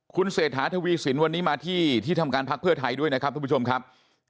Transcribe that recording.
คุณเศรษฐาทวีสินวันนี้มาที่ที่ทำการพักเพื่อไทยด้วยนะครับทุกผู้ชมครับ